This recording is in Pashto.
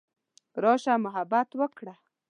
راشه محبت وکړه.